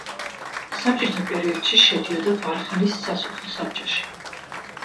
საბჭოთა პერიოდში შედიოდა ვარხანის სასოფლო საბჭოში.